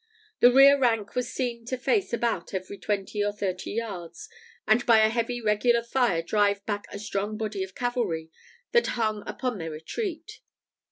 The rear rank was seen to face about at every twenty or thirty yards, and by a heavy regular fire drive back a strong body of cavalry that hung upon their retreat.